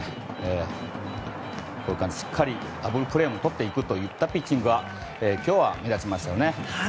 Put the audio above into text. しっかりダブルプレーもとっていくといったピッチングが今日は目立ちましたよね。